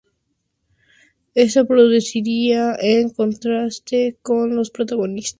Esto produciría, en contraste con los protagonistas, innumerables bajas y muy poca eficacia puntual.